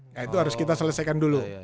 nah itu harus kita selesaikan dulu